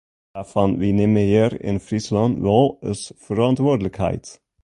Sa fan: wy nimme hjir yn Fryslân wol ús ferantwurdlikheid.